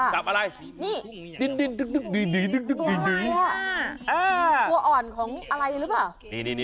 จับอะไรนี่ดินตัวอ่อนของอะไรหรือเปล่า